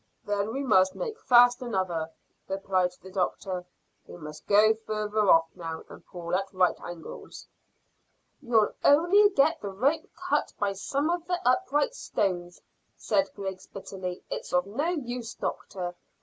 "Then we must make fast another," replied the doctor. "We must go farther off now, and pull at right angles." "You'll only get the rope cut by some of the upright stones," said Griggs bitterly. "It's of no use, doctor.